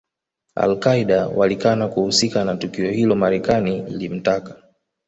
Al Qaeda walikana kuhusika na tukio hilo Marekani ilimtaka